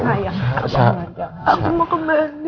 aku mau kembali